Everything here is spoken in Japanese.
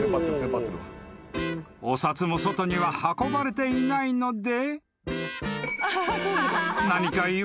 ［お札も外には運ばれていないので］